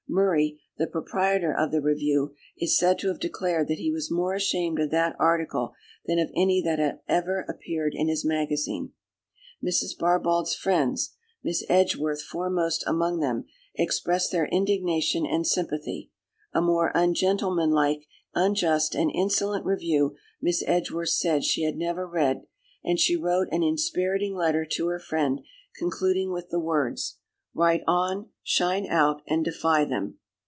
Murray, the proprietor of the Review, is said to have declared that he was more ashamed of that article than of any that had ever appeared in his magazine. Mrs. Barbauld's friends, Miss Edgeworth foremost among them, expressed their indignation and sympathy; a more ungentlemanlike, unjust, and insolent review, Miss Edgeworth said she had never read; and she wrote an inspiriting letter to her friend, concluding with the words, "Write on, shine out, and defy them."